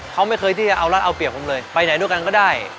เขาไม่เคยที่จะเอารัดเอาเปรียบผมเลยไปไหนด้วยกันก็ได้